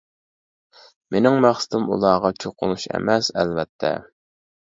مېنىڭ مەقسىتىم، ئۇلارغا چوقۇنۇش ئەمەس، ئەلۋەتتە!